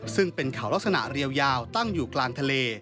ซึ่งเป็นเขาลักษณะเรียวยาวตั้งอยู่กลางทะเล